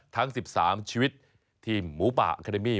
ทั้ง๑๓ชีวิตทีมหมูป่าอาคาเดมี่